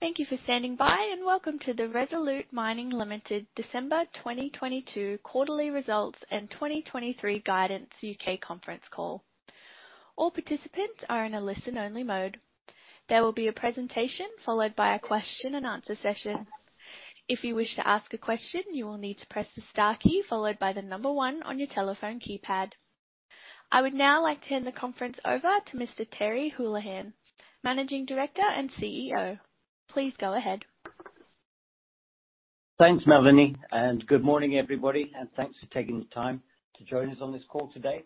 Thank you for standing by, and welcome to the Resolute Mining Limited December 2022 quarterly results and 2023 guidance U.K. conference call. All participants are in a listen-only mode. There will be a presentation followed by a question-and-answer session. If you wish to ask a question, you will need to press the star key followed by one on your telephone keypad. I would now like to hand the conference over to Mr. Terry Holohan, Managing Director and CEO. Please go ahead. Thanks, Melanie, and good morning, everybody, and thanks for taking the time to join us on this call today.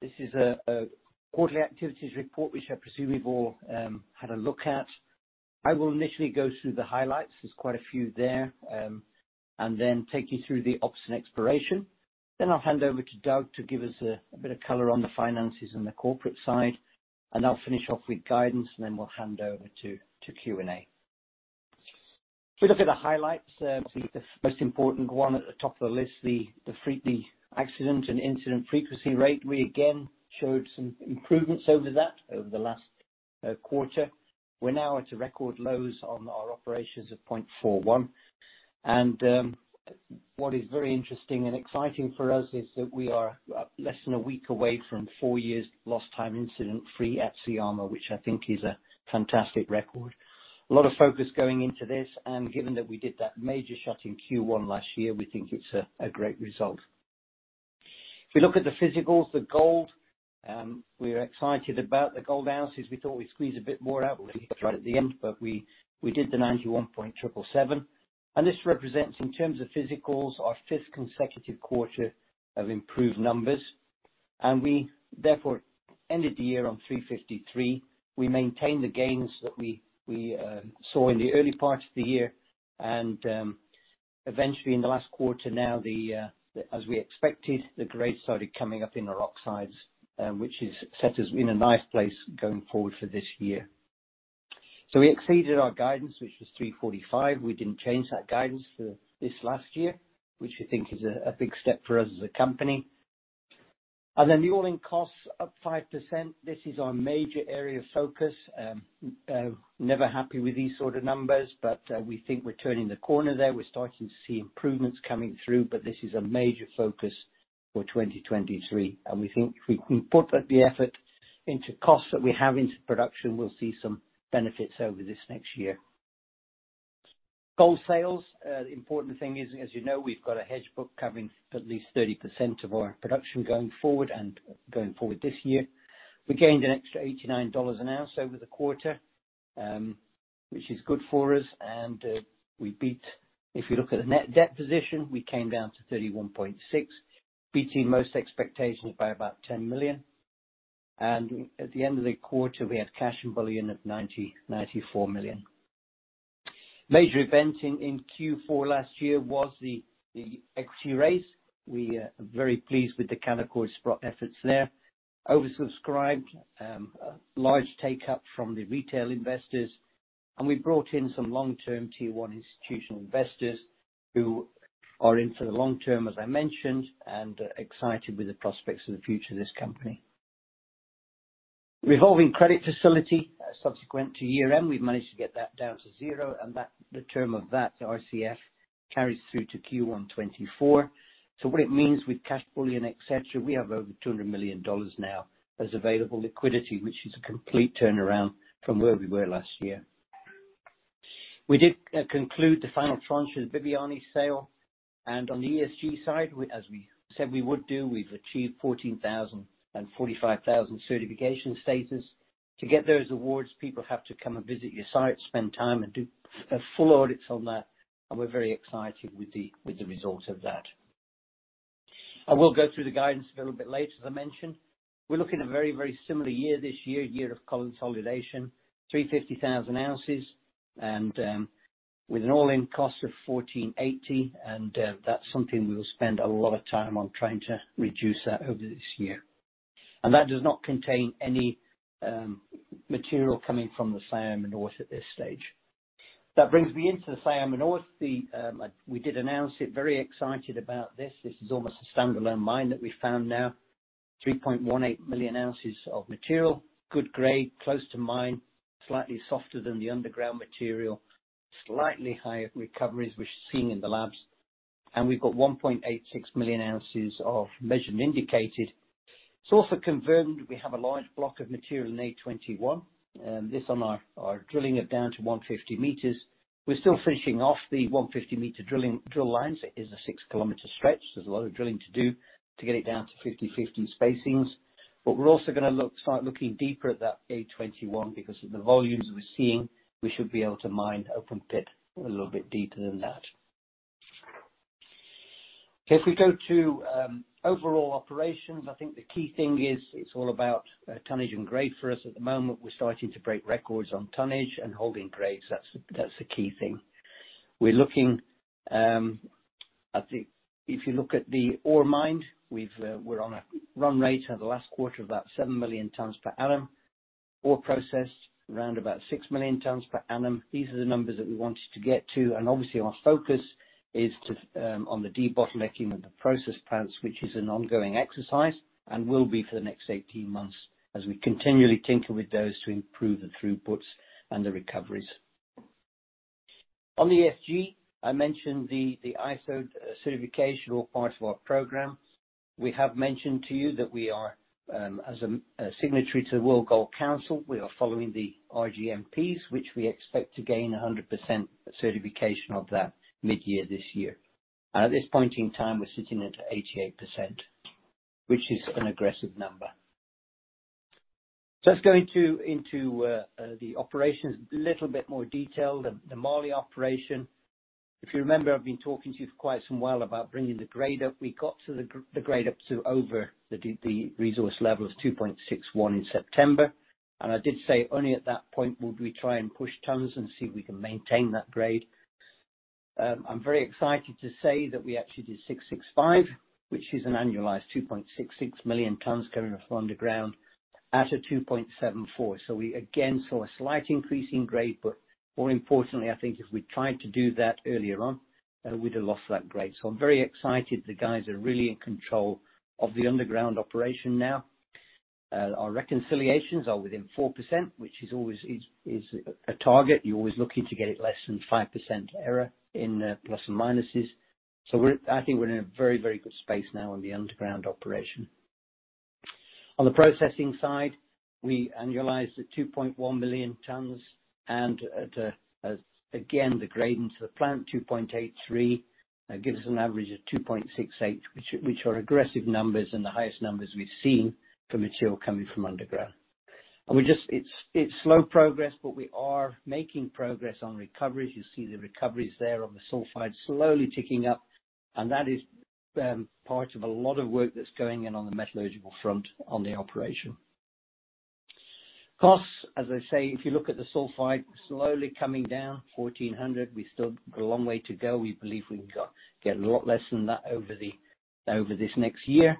This is a quarterly activities report, which I presume you've all had a look at. I will initially go through the highlights, there's quite a few there, and then take you through the ops and exploration. I'll hand over to Doug to give us a bit of color on the finances and the corporate side. I'll finish off with guidance, and then we'll hand over to Q&A. If we look at the highlights, the most important one at the top of the list, the accident and incident frequency rate, we again showed some improvements over that over the last quarter. We're now at a record lows on our operations of 0.41. What is very interesting and exciting for us is that we are less than a week away from four years lost time incident free at Syama, which I think is a fantastic record. A lot of focus going into this, and given that we did that major shut in Q1 last year, we think it's a great result. If we look at the physicals, the gold, we're excited about the gold oz. We thought we'd squeeze a bit more out right at the end, but we did the 91.777, and this represents, in terms of physicals, our fifth consecutive quarter of improved numbers. We, therefore, ended the year on 353. We maintained the gains that we saw in the early part of the year. Eventually in the last quarter now, as we expected, the grades started coming up in the oxides, which is set us in a nice place going forward for this year. We exceeded our guidance, which was 345. We didn't change that guidance for this last year, which we think is a big step for us as a company. Then the all-in costs up 5%. This is our major area of focus. Never happy with these sort of numbers, but we think we're turning the corner there. We're starting to see improvements coming through, but this is a major focus for 2023. We think if we can put the effort into costs that we have into production, we'll see some benefits over this next year. Gold sales. The important thing is, as you know, we've got a hedge book covering at least 30% of our production going forward and going forward this year. We gained an extra $89 an ounce over the quarter, which is good for us. If you look at the net debt position, we came down to 31.6, beating most expectations by about $10 million. At the end of the quarter, we had cash and bullion of $94 million. Major event in Q4 last year was the equity raise. We are very pleased with the Canaccord Sprott efforts there. Oversubscribed, large take-up from the retail investors, and we brought in some long-term tier 1 institutional investors who are in for the long term, as I mentioned, and excited with the prospects for the future of this company. Revolving credit facility. Subsequent to year-end, we've managed to get that down to zero, and that, the term of that, the RCF, carries through to Q1 2024. What it means with cash bullion, et cetera, we have over $200 million now as available liquidity, which is a complete turnaround from where we were last year. We did conclude the final tranche of the Bibiani sale, and on the ESG side, we, as we said we would do, we've achieved 14,000 and 45,000 certification status. To get those awards, people have to come and visit your site, spend time, and do full audits on that. We're very excited with the results of that. I will go through the guidance a little bit later, as I mentioned. We're looking at a very, very similar year this year, a year of consolidation, 350,000 oz, with an all-in cost of $1,480, that's something we will spend a lot of time on trying to reduce that over this year. That does not contain any material coming from the Syama North at this stage. That brings me into the Syama North. We did announce it. Very excited about this. This is almost a standalone mine that we found now. 3.18 million oz of material, good grade, close to mine, slightly softer than the underground material, slightly higher recoveries, which is seen in the labs. We've got 1.86 million oz of measured and indicated. It's also confirmed we have a large block of material in A21. This on our drilling it down to 150 m. We're still finishing off the 150 m drilling, drill lines. It is a 6 km stretch. There's a lot of drilling to do to get it down to 50/50 spacings. We're also gonna start looking deeper at that A21 because of the volumes we're seeing, we should be able to mine open pit a little bit deeper than that. If we go to overall operations, I think the key thing is it's all about tonnage and grade for us at the moment. We're starting to break records on tonnage and holding grades. That's the key thing. We're looking. I think if you look at the ore mined, we've, we're on a run rate of the last quarter of about 7 million tons per annum. Ore processed around about 6 million tons per annum. These are the numbers that we wanted to get to, our focus is to on the debottlenecking of the process plants, which is an ongoing exercise and will be for the next 18 months as we continually tinker with those to improve the throughputs and the recoveries. On the ESG, I mentioned the ISO certification all part of our program. We have mentioned to you that we are as a signatory to the World Gold Council, we are following the RGMPs, which we expect to gain a 100% certification of that mid-year this year. At this point in time, we're sitting at 88%, which is an aggressive number. Let's go into the operations a little bit more detail. The Mali operation. If you remember, I've been talking to you for quite some while about bringing the grade up. We got the grade up to over the resource level of 2.61 in September. I did say only at that point would we try and push tonnes and see if we can maintain that grade. I'm very excited to say that we actually did 665, which is an annualized 2.66 million tonnes coming from underground at a 2.74. We again saw a slight increase in grade, but more importantly, I think if we tried to do that earlier on, we'd have lost that grade. I'm very excited. The guys are really in control of the underground operation now. Our reconciliations are within 4%, which always is a target. You're always looking to get it less than 5% error in plus and minuses. I think we're in a very, very good space now on the underground operation. On the processing side, we annualized the 2.1 million tonnes, and at again, the grade into the plant, 2.83, gives an average of 2.68, which are aggressive numbers and the highest numbers we've seen for material coming from underground. It's slow progress, but we are making progress on recoveries. You see the recoveries there on the sulfide slowly ticking up, and that is part of a lot of work that's going in on the metallurgical front on the operation. Costs, as I say, if you look at the sulfide slowly coming down, $1,400, we've still got a long way to go. We believe we get a lot less than that over this next year.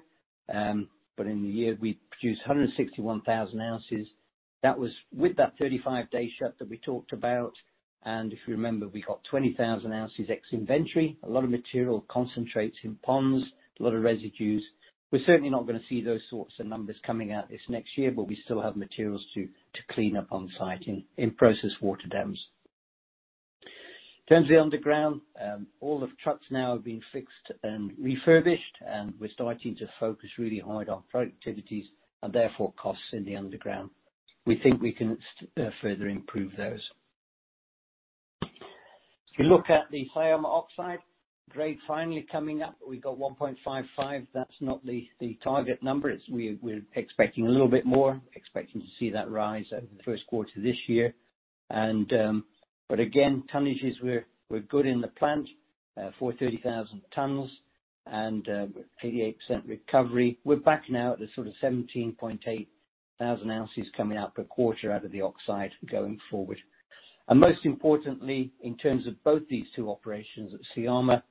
In the year we produced 161,000 oz. That was with that 35-day shut that we talked about. If you remember, we got 20,000 oz ex-inventory, a lot of material concentrates in ponds, a lot of residues. We're certainly not gonna see those sorts of numbers coming out this next year, but we still have materials to clean up on-site in process water dams. In terms of the underground, all the trucks now have been fixed and refurbished. We're starting to focus really hard on productivities and therefore costs in the underground. We think we can further improve those. If you look at the Syama oxide grade finally coming up, we've got 1.55. That's not the target number. We're expecting a little bit more, expecting to see that rise over the first quarter this year. But again, tonnages were good in the plant, 430,000 tons and 88% recovery. We're back now at the sort of 17,800 oz coming out per quarter out of the oxide going forward. Most importantly, in terms of both these two operations at Syama,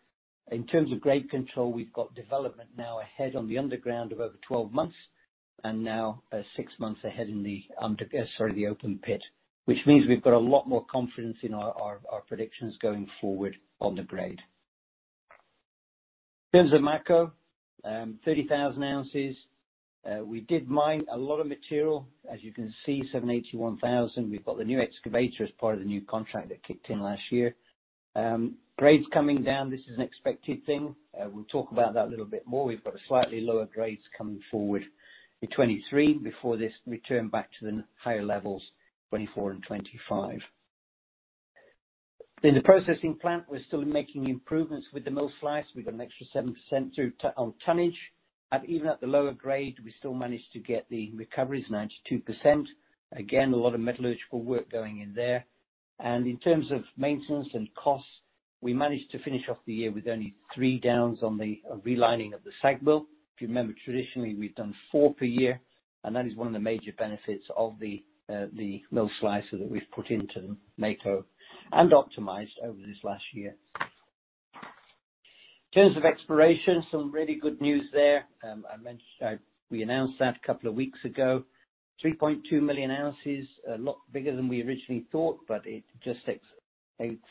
in terms of grade control, we've got development now ahead on the underground of over 12 months and now, six months ahead in the open pit, which means we've got a lot more confidence in our predictions going forward on the grade. In terms of Mako, 30,000 oz. We did mine a lot of material. As you can see, $781,000. We've got the new excavator as part of the new contract that kicked in last year. grades coming down, this is an expected thing. we'll talk about that a little bit more. We've got slightly lower grades coming forward in 2023 before this return back to the higher levels, 2024 and 2025. In the processing plant, we're still making improvements with the mill flowsheet. We've got an extra 7% on tonnage. At, even at the lower grade, we still managed to get the recoveries, 92%. Again, a lot of metallurgical work going in there. In terms of maintenance and costs, we managed to finish off the year with only three downs on the relining of the SAG mill. If you remember, traditionally, we've done four per year. That is one of the major benefits of the mill slice that we've put into Mako and optimized over this last year. In terms of exploration, some really good news there. I mentioned that. We announced that a couple of weeks ago. 3.2 million ounces, a lot bigger than we originally thought, it just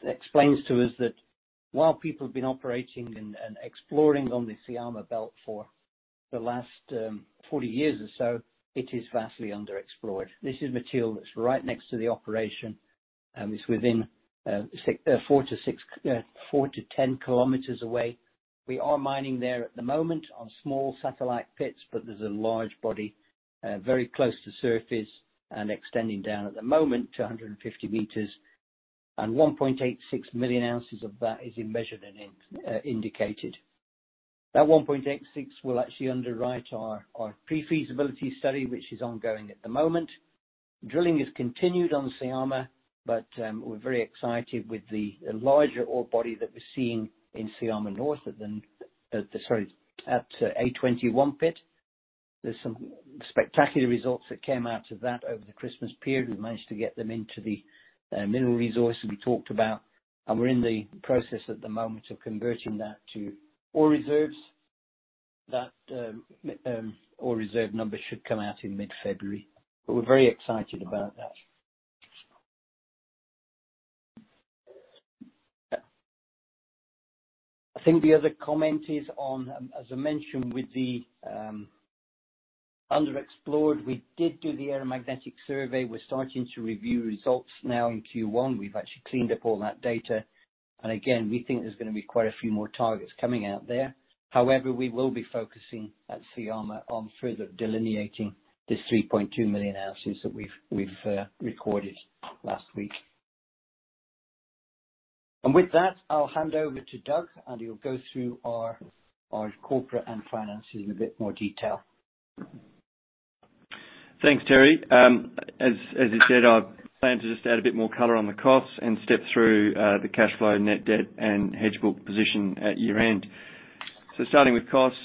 explains to us that while people have been operating and exploring on the Syama Belt for the last 40 years or so, it is vastly underexplored. This is material that's right next to the operation, it's within 6 km, 4 km-6 km, 4 km-10 km away. We are mining there at the moment on small satellite pits, but there's a large body, very close to surface and extending down at the moment to 150 m, and 1.86 million ounces of that is in measured and in indicated. That 1.86 will actually underwrite our pre-feasibility study, which is ongoing at the moment. Drilling has continued on Syama, but we're very excited with the larger ore body that we're seeing in Syama North at the A-21 pit. There's some spectacular results that came out of that over the Christmas period. We've managed to get them into the mineral resource that we talked about, and we're in the process at the moment of converting that to ore reserves. That ore reserve number should come out in mid-February. We're very excited about that. I think the other comment is on, as I mentioned, with the underexplored, we did do the aeromagnetic survey. We're starting to review results now in Q1. We've actually cleaned up all that data, and again, we think there's gonna be quite a few more targets coming out there. However, we will be focusing at Syama on further delineating the 3.2 million ounces that we've recorded last week. With that, I'll hand over to Doug, and he'll go through our corporate and finances in a bit more detail. Thanks, Terry. As you said, I plan to just add a bit more color on the costs and step through the cash flow, net debt, and hedge book position at year-end. Starting with costs,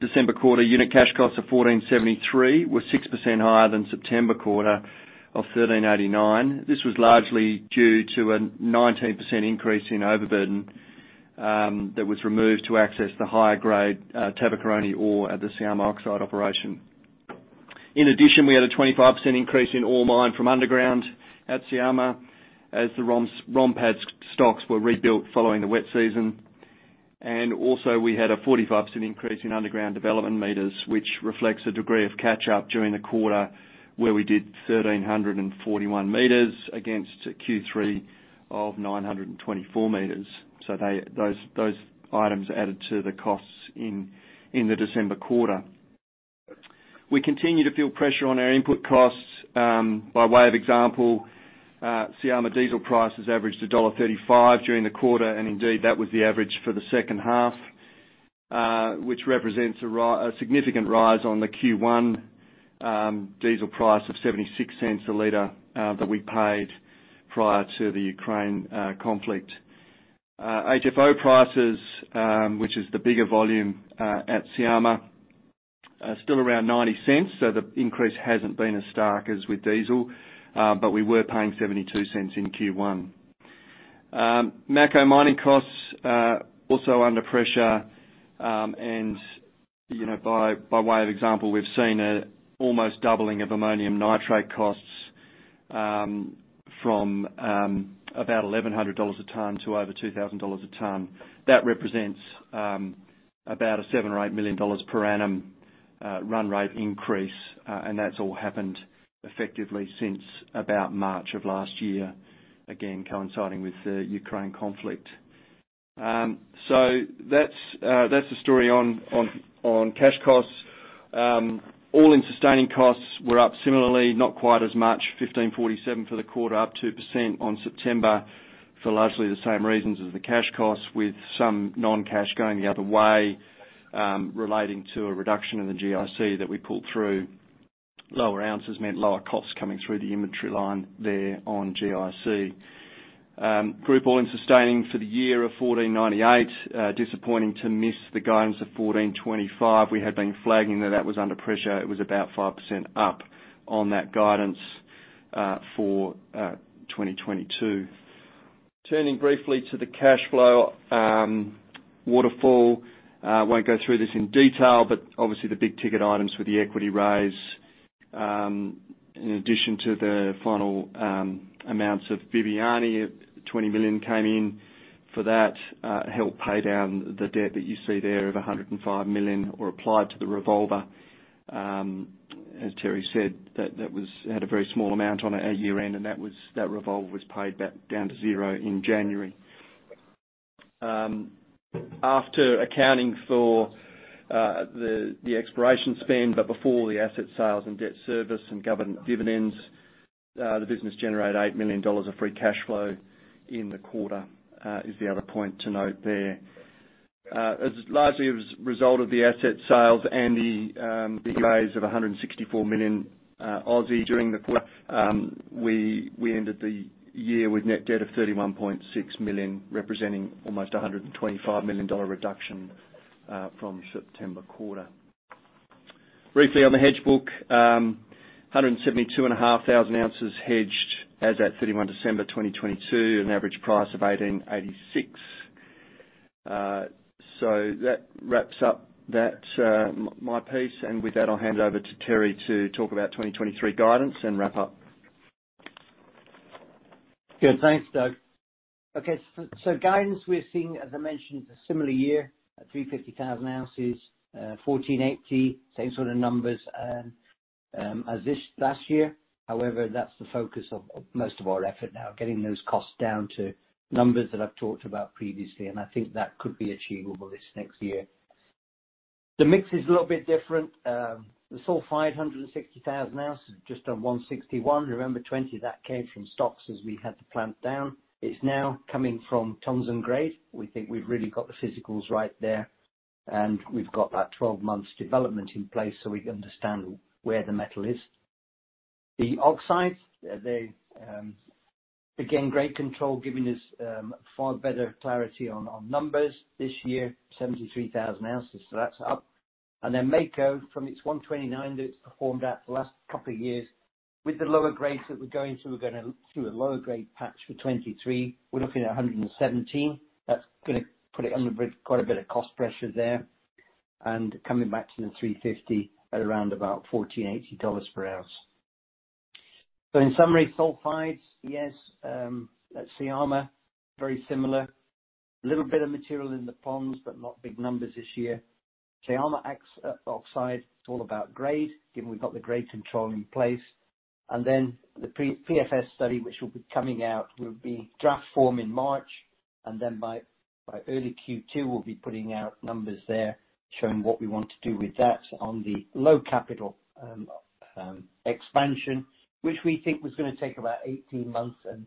December quarter unit cash costs of $1,473 were 6% higher than September quarter of $1,389. This was largely due to a 19% increase in overburden that was removed to access the higher grade Tabakoroni ore at the Syama oxide operation. In addition, we had a 25% increase in ore mined from underground at Syama, as the ROM pads stocks were rebuilt following the wet season. Also, we had a 45% increase in underground development meters, which reflects a degree of catch-up during the quarter, where we did 1,341 m against Q3 of 924 m. They, those items added to the costs in the December quarter. We continue to feel pressure on our input costs. By way of example, Syama diesel prices averaged $1.35 during the quarter, and indeed, that was the average for the second half, which represents a significant rise on the Q1 diesel price of $0.76 a liter that we paid prior to the Ukraine conflict. HFO prices, which is the bigger volume, at Syama are still around $0.90, so the increase hasn't been as stark as with diesel, but we were paying $0.72 in Q1. Macro mining costs are also under pressure, and, you know, by way of example, we've seen a almost doubling of ammonium nitrate costs from about $1,100 a ton to over $2,000 a ton. That represents about a $7 million or $8 million per annum run rate increase, and that's all happened effectively since about March of last year. Again, coinciding with the Ukraine conflict. That's the story on on on cash costs. All-in sustaining costs were up similarly, not quite as much, $1,547 for the quarter, up 2% on September for largely the same reasons as the cash costs, with some non-cash going the other way, relating to a reduction in the Gold-in-Circuit that we pulled through. Lower oz meant lower costs coming through the inventory line there on Gold-in-Circuit. Group all-in sustaining for the year of $1,498, disappointing to miss the guidance of $1,425. We had been flagging that was under pressure. It was about 5% up on that guidance for 2022. Turning briefly to the cash flow waterfall. Won't go through this in detail, obviously the big ticket items were the equity raise. In addition to the final amounts of Bibiani, $20 million came in for that, helped pay down the debt that you see there of $105 million, or applied to the revolver. As Terry said, that was had a very small amount on it at year-end, and that revolve was paid back down to zero in January. After accounting for the exploration spend, but before the asset sales and debt service and government dividends, the business generated $8 million of free cash flow in the quarter, is the other point to note there. As largely as result of the asset sales and the raise of 164 million during the quarter, we ended the year with net debt of $31.6 million, representing almost a $125 million reduction from September quarter. Briefly on the hedge book, 172.5 thousand ounces hedged as at 31 December 2022, an average price of $1,886. That wraps up that, my piece. With that, I'll hand over to Terry to talk about 2023 guidance and wrap up. Good. Thanks, Doug. Okay. Guidance we're seeing, as I mentioned, a similar year at 350,000 oz, $1,480, same sort of numbers as this last year. However, that's the focus of most of our effort now, getting those costs down to numbers that I've talked about previously, and I think that could be achievable this next year. The mix is a little bit different. The sulfide, 160,000 oz just on 161. Remember, 20 of that came from stocks as we had the plant down. It's now coming from tons and grade. We think we've really got the physicals right there, and we've got that 12 months development in place, so we can understand where the metal is. The oxides, they, again, great control giving us far better clarity on numbers. This year, 73,000 oz, so that's up. Mako from its 129 that it's performed at the last couple of years, with the lower grades that we're going through, we're going through a lower grade patch for 2023. We're looking at 117. That's gonna put it under quite a bit of cost pressure there. Coming back to the 350 at around about $1,480 per ounce. In summary, sulfides, yes, at Syama, very similar. Little bit of material in the ponds, but not big numbers this year. Syama oxide, it's all about grade, given we've got the grade control in place. The pre-PFS study, which will be coming out, will be draft form in March, then by early Q2, we'll be putting out numbers there showing what we want to do with that on the low capital expansion, which we think was gonna take about 18 months and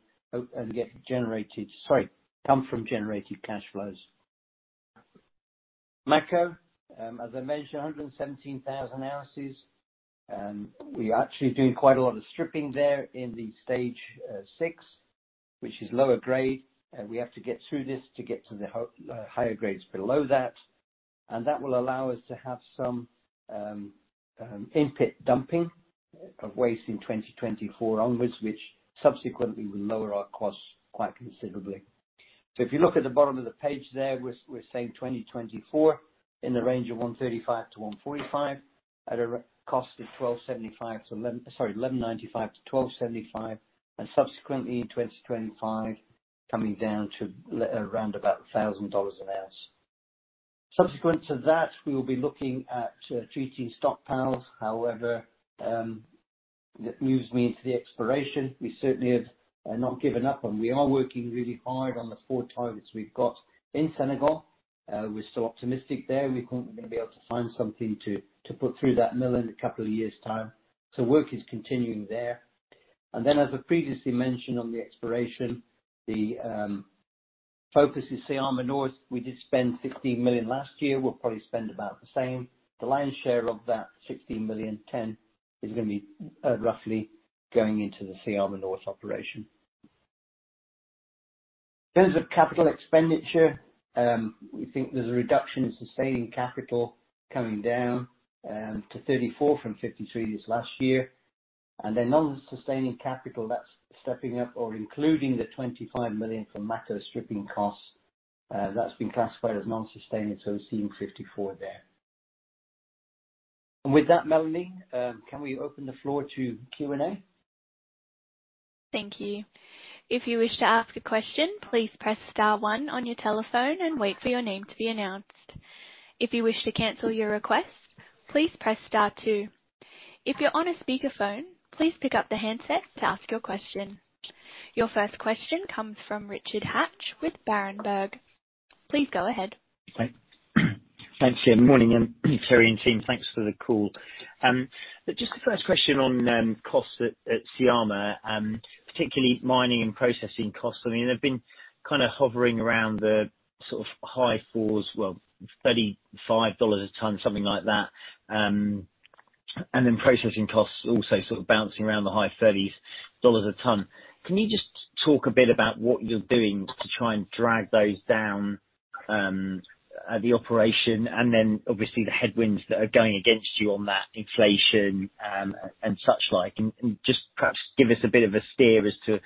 come from generated cash flows. Mako, as I mentioned, 117,000 oz, we are actually doing quite a lot of stripping there in the stage six, which is lower grade, and we have to get through this to get to the higher grades below that. That will allow us to have some in-pit dumping of waste in 2024 onwards, which subsequently will lower our costs quite considerably. If you look at the bottom of the page there, we're saying 2024 in the range of $135-$145 at a cost of $1,195-$1,275. Subsequently in 2025, coming down around about $1,000 an ounce. Subsequent to that, we will be looking at treating stockpiles. However, that moves me into the exploration. We certainly have not given up, and we are working really hard on the four targets we've got in Senegal. We're still optimistic there. We think we're gonna be able to find something to put through that mill in a couple of years' time. Work is continuing there. As I previously mentioned on the exploration, the focus is Syama North. We did spend $16 million last year. We'll probably spend about the same. The lion's share of that $16 million, $10 million, is gonna be roughly going into the Syama North operation. In terms of capital expenditure, we think there's a reduction in sustaining capital coming down to $34 from $53 this last year. Non-sustaining capital, that's stepping up or including the $25 million for Mako stripping costs. That's been classified as non-sustaining, so we're seeing $54 there. With that, Melanie, can we open the floor to Q&A? Thank you. If you wish to ask a question, please press star one on your telephone and wait for your name to be announced. If you wish to cancel your request, please press star two. If you're on a speakerphone, please pick up the handset to ask your question. Your first question comes from Richard Hatch with Berenberg. Please go ahead. Okay. Thanks, Ian. Morning, Ian. Terry and team, thanks for the call. Just the first question on costs at Syama, particularly mining and processing costs. I mean, they've been kinda hovering around the sort of high fours, well, $35 a ton, something like that. Then processing costs also sort of bouncing around the high $30s a ton. Can you just talk a bit about what you're doing to try and drag those down at the operation? Then obviously the headwinds that are going against you on that inflation, and such like, and just perhaps give us a bit of a steer as to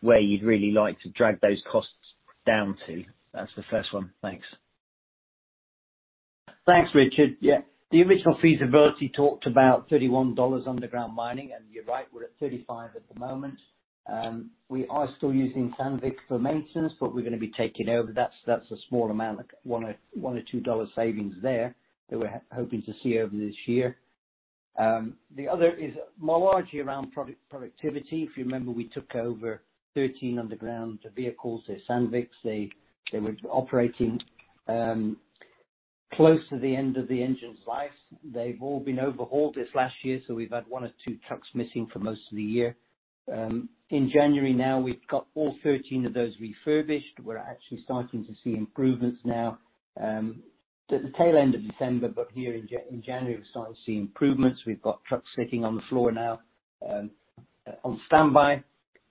where you'd really like to drag those costs down to. That's the first one. Thanks. Thanks, Richard. Yeah. The original feasibility talked about $31 underground mining, and you're right, we're at $35 at the moment. We are still using Sandvik for maintenance, but we're gonna be taking over. That's a small amount, like $1 or $2 savings there, that we're hoping to see over this year. The other is more largely around productivity. If you remember, we took over 13 underground vehicles. They're Sandviks. They were operating close to the end of the engine's life. They've all been overhauled this last year. We've had one or two trucks missing for most of the year. In January now, we've got all 13 of those refurbished. We're actually starting to see improvements now. At the tail end of December, here in January, we're starting to see improvements. We've got trucks sitting on the floor now, on standby.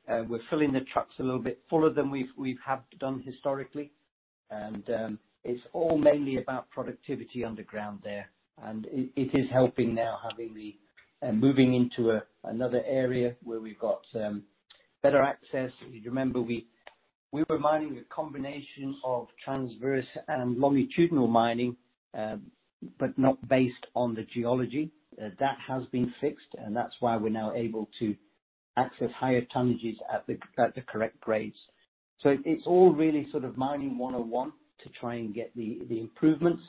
We're filling the trucks a little bit fuller than we've have done historically. It's all mainly about productivity underground there, and it is helping now moving into another area where we've got, better access. If you remember, we were mining a combination of transverse and longitudinal mining, but not based on the geology. That has been fixed, and that's why we're now able to access higher tonnages at the correct grades. It's all really sort of mining 101 to try and get the improvements,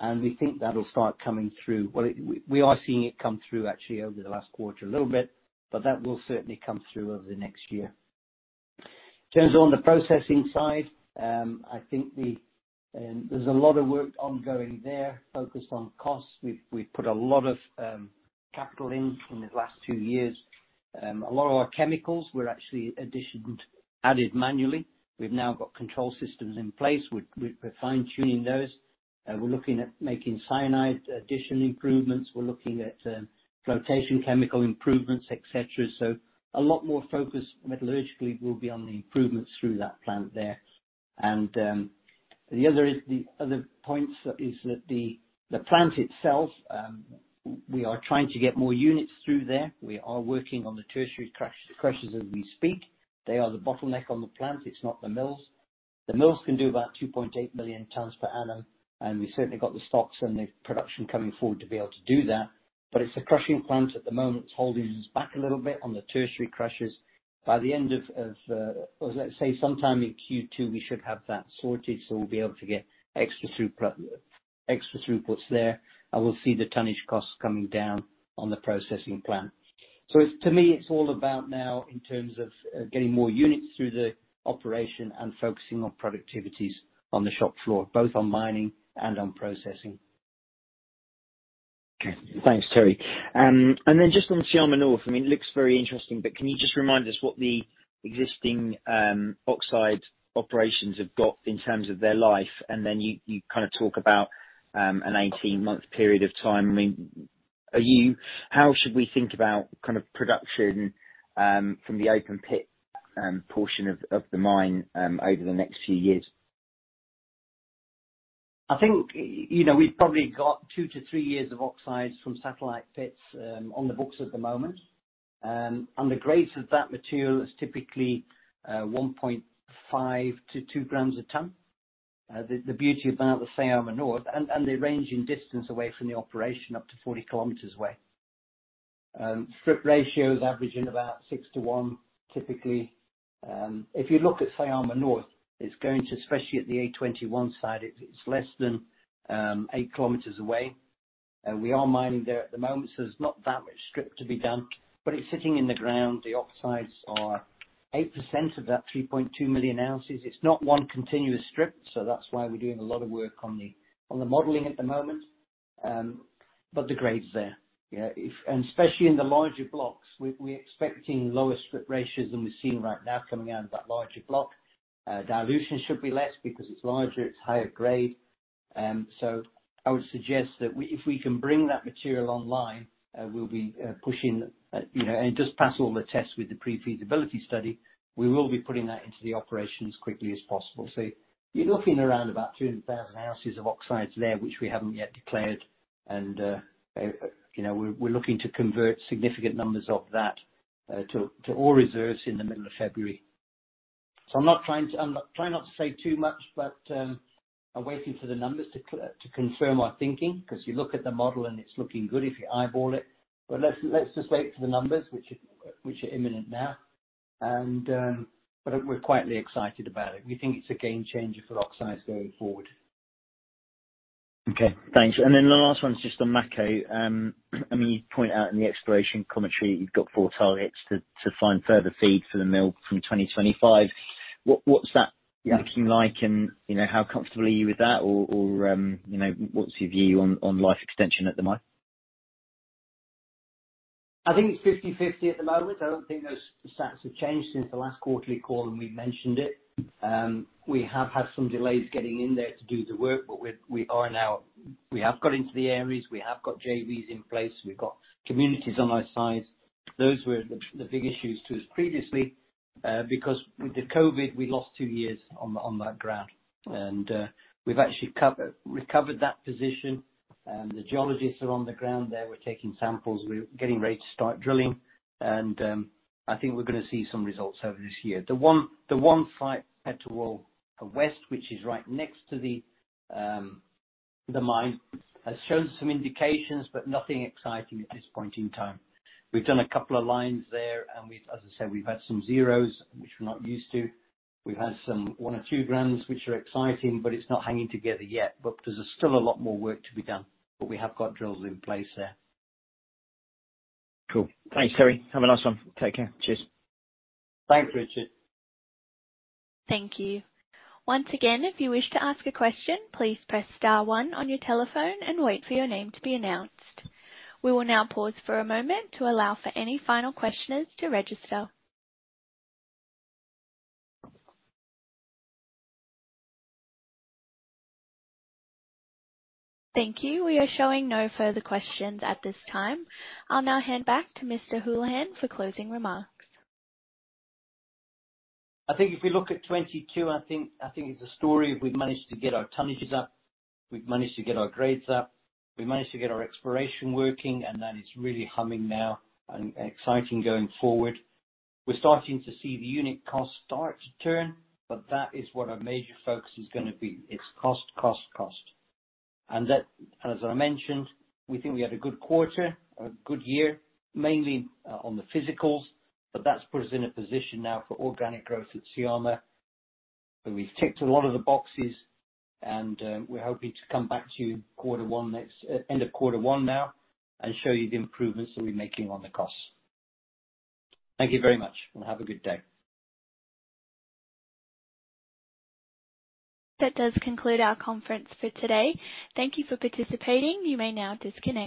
and we think that'll start coming through. Well, we are seeing it come through actually over the last quarter a little bit, but that will certainly come through over the next year. In terms on the processing side, I think the there's a lot of work ongoing there focused on costs. We've put a lot of capital in the last two years. A lot of our chemicals were actually added manually. We've now got control systems in place. We're fine-tuning those. We're looking at making cyanide addition improvements. We're looking at flotation chemical improvements, et cetera. A lot more focus metallurgically will be on the improvements through that plant there. The other points is that the plant itself, we are trying to get more units through there. We are working on the tertiary crushers as we speak. They are the bottleneck on the plant. It's not the mills. The mills can do about 2.8 million tons per annum, and we've certainly got the stocks and the production coming forward to be able to do that. It's the crushing plant at the moment that's holding us back a little bit on the tertiary crushes. By the end of, or let's say sometime in Q2, we should have that sorted, so we'll be able to get extra throughputs there, and we'll see the tonnage costs coming down on the processing plant. It's, to me, it's all about now in terms of getting more units through the operation and focusing on productivities on the shop floor, both on mining and on processing. Okay. Thanks, Terry. Just on Syama North, it looks very interesting, but can you just remind us what the existing oxide operations have got in terms of their life? You kinda talk about an 18-month period of time. How should we think about kind of production from the open pit portion of the mine over the next few years? I think, you know, we've probably got two years-three years of oxides from satellite pits on the books at the moment. The grades of that material is typically 1.5 g- 2 g a ton. The beauty about the Syama North. They range in distance away from the operation, up to 40 km away. Strip ratios averaging about 6:1, typically. If you look at Syama North, especially at the A-21 side, it's less than 8 km away. We are mining there at the moment, there's not that much strip to be done. It's sitting in the ground. The oxides are 8% of that 3.2 million ounces. It's not one continuous strip, so that's why we're doing a lot of work on the modeling at the moment. The grade's there. Yeah, if. Especially in the larger blocks, we're expecting lower strip ratios than we're seeing right now coming out of that larger block. Dilution should be less because it's larger, it's higher grade. I would suggest that if we can bring that material online, we'll be pushing, you know, and just pass all the tests with the pre-feasibility study, we will be putting that into the operation as quickly as possible. You're looking around about 2,000 oz of oxides there, which we haven't yet declared. You know, we're looking to convert significant numbers of that to ore reserves in the middle of February. I'm not trying to... I'm not trying not to say too much, but I'm waiting for the numbers to confirm our thinking, 'cause you look at the model, and it's looking good if you eyeball it. Let's just wait for the numbers, which are imminent now. I think we're quietly excited about it. We think it's a game changer for oxides going forward. Okay. Thanks. The last one is just on Mako. I mean, you point out in the exploration commentary you've got four targets to find further feed for the mill from 2025. What's that Yeah. Looking, you know, how comfortable are you with that? Or, you know, what's your view on life extension at the mine? I think it's 50/50 at the moment. I don't think those stats have changed since the last quarterly call when we mentioned it. We have had some delays getting in there to do the work, but we are now. We have got into the areas. We have got JVs in place. We've got communities on our sides. Those were the big issues to us previously. With the COVID, we lost two years on that ground. We've actually recovered that position. The geologists are on the ground there. We're taking samples. We're getting ready to start drilling. I think we're gonna see some results over this year. The one site, Petrel West, which is right next to the mine, has shown some indications, but nothing exciting at this point in time. We've done a couple of lines there, and we've, as I said, we've had some zeros, which we're not used to. We've had some one or two grams, which are exciting, but it's not hanging together yet. There's still a lot more work to be done, but we have got drills in place there. Cool. Thanks, Terry. Have a nice one. Take care. Cheers. Thanks, Richard. Thank you. Once again, if you wish to ask a question, please press star one on your telephone and wait for your name to be announced. We will now pause for a moment to allow for any final questioners to register. Thank you. We are showing no further questions at this time. I'll now hand back to Mr. Holohan for closing remarks. I think if we look at 2022, I think it's a story of we've managed to get our tonnages up. We've managed to get our grades up. We've managed to get our exploration working, and that is really humming now and exciting going forward. We're starting to see the unit costs start to turn, but that is what our major focus is gonna be. It's cost, cost. That, as I mentioned, we think we had a good quarter, a good year, mainly on the physicals, but that's put us in a position now for organic growth at Syama. We've ticked a lot of the boxes, and we're hoping to come back to you quarter one next, end of quarter one now and show you the improvements that we're making on the costs. Thank you very much, and have a good day. That does conclude our conference for today. Thank you for participating. You may now disconnect.